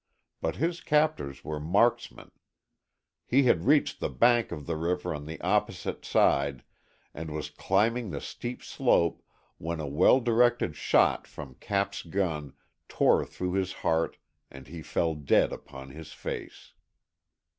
But his captors were marksmen. He had reached the bank of the river on the opposite side and was climbing the steep slope, when a well directed shot from Cap's gun tore through his heart and he fell dead upon his face.